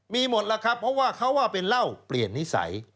มีหมดแล้วครับเพราะว่าเขาว่าเป็นเหล้าเปลี่ยนนิสัย